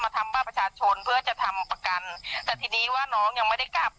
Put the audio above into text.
แต่ทีนี้ว่าน้องยังไม่ได้กลับ